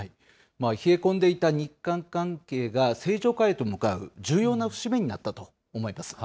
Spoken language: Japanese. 冷え込んでいた日韓関係が正常化へと向かう重要な節目になったと思います。